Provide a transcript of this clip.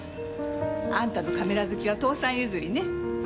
あんたのカメラ好きは父さん譲りね。